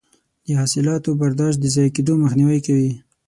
د حاصلاتو برداشت د ضایع کیدو مخنیوی کوي.